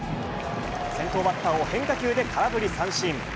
先頭バッターを変化球で空振り三振。